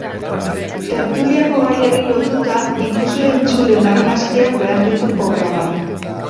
Tertuliako gaiari lotuta, ikusle-entzuleen argazkiak behar ditu programak.